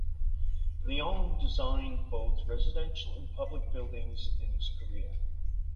Leong designed both residential and public buildings in his career.